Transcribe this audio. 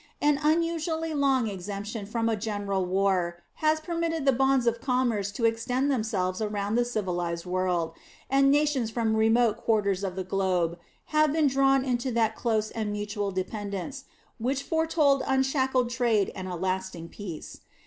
An unusually long exemption from a general war has permitted the bonds of commerce to extend themselves around the civilized world, and nations from remote quarters of the globe have been drawn into that close and mutual dependence which foretold unshackled trade and a lasting peace.